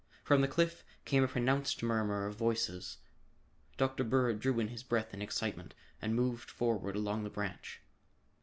From the cliff came a pronounced murmur of voices. Dr. Bird drew in his breath in excitement and moved forward along the branch.